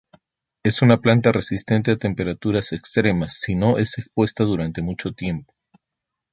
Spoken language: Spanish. Es una planta resistente a temperaturas extremas si no es expuesta durante mucho tiempo.